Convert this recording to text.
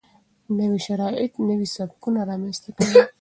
نوي شرایط نوي سبکونه رامنځته کوي.